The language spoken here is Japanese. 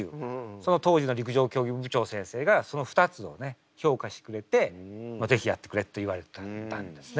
その当時の陸上競技部長先生がその２つをね評価してくれて「是非やってくれ」と言われたんですね。